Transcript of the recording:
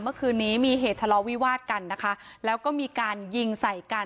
เมื่อคืนนี้มีเหตุทะเลาวิวาสกันนะคะแล้วก็มีการยิงใส่กัน